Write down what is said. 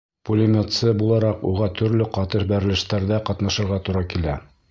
Пулеметсы булараҡ уға төрлө ҡаты бәрелештәрҙә ҡатнашырға тура килә.